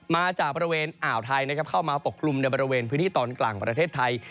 มาจากบริเวณอ่าวไทยนะครับเข้ามาปกคลุมในบริเวณพื้นที่ตอนกลางประเทศไทย